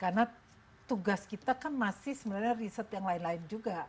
karena tugas kita kan masih sebenarnya riset yang lain lain juga